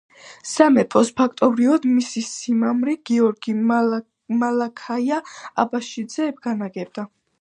სამეფოს ფაქტობრივად მისი სიმამრი გიორგი-მალაქია აბაშიძე განაგებდა.